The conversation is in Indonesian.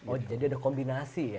oh jadi ada kombinasi ya